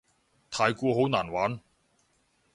太鼓好難玩